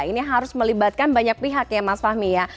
ini harus melibatkan banyak pihak ya mas fahmi ya